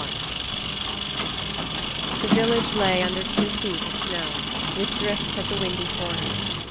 I The village lay under two feet of snow, with drifts at the windy corners.